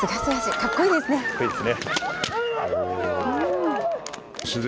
かっこいいですね。